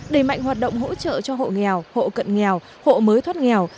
đẩy mạnh hoạt động hỗ trợ cho hộ nghèo hộ cận nghèo hộ mới thoát nghèo